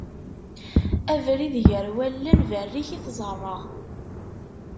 Abrid gar wallen, berrik i t-ẓerreɣ.